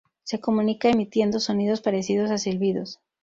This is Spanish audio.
Se comunica emitiendo sonidos parecidos a silbidos.